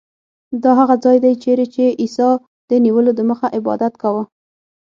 دا هغه ځای دی چیرې چې عیسی د نیولو دمخه عبادت کاوه.